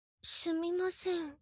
すみません。